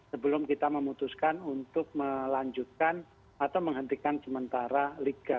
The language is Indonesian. sebelum kita memutuskan untuk melanjutkan atau menghentikan sementara liga